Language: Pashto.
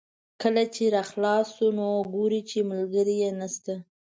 کله چې را خلاص شو نو ګوري چې ملګری یې نشته.